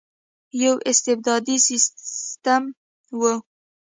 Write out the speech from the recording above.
یو استبدادي سسټم وو.